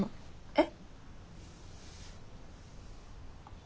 えっ。